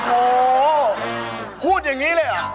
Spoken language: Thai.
โอ้โหพูดอย่างนี้เลยเหรอ